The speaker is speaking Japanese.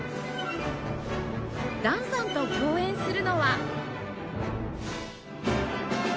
檀さんと共演するのは